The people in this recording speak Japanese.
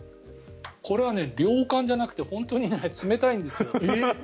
これは涼感じゃなくて本当に冷たいんです。